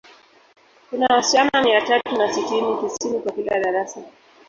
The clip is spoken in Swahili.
Kuna wasichana mia tatu na sitini, tisini kwa kila darasa.